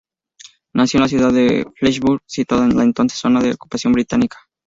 Nació en la ciudad de Flensburg, situada en la entonces zona de ocupación británica.